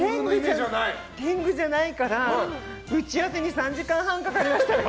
天狗じゃないから打ち合わせに３時間半かかりましたよ。